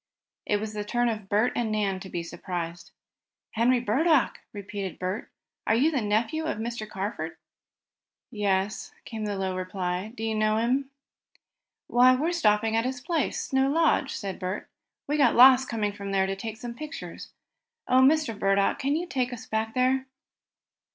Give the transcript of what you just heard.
It was the turn of Bert and Nan to be surprised. "Henry Burdock!" repeated Bert. "Are you the nephew of Mr. Carford?" "Yes," was the low reply. "Do you know him?" "Why, we're stopping at his place Snow Lodge," said Bert. "We got lost coming from there to take some pictures. Oh, Mr. Burdock, can you take us back there?"